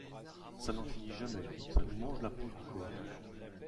Ça n’en finit jamais, ça nous mange la peau du corps!